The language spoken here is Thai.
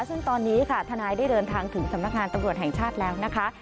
ซึ่งตอนนี้ค่ะทนายได้เดินทางถึงสำนักงานตำรวจแห่งชาติแล้วนะคะ